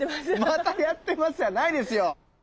「またやってます」じゃないですよ！